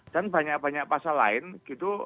dan banyak banyak pasal lain gitu